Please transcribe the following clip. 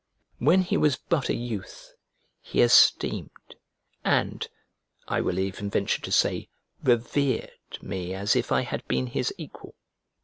When he was but a youth, he esteemed, and (I will even venture to say) revered, me as if I had been his equal.